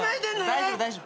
大丈夫大丈夫。